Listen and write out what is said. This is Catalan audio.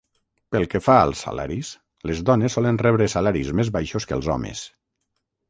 Pel que fa als salaris, les dones solen rebre salaris més baixos que els homes.